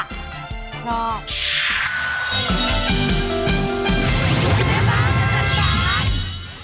น้อง